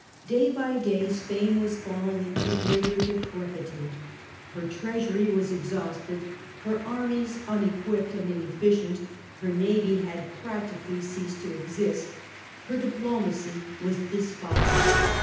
Day by day Spain was falling into greater decrepitude. Her treasury was exhausted, her armies unequipped and Decline of inefficient, her navy had practically ceased Spain. to exist, her diplomacy was despised.